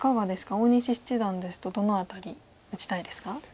大西七段ですとどの辺り打ちたいですか？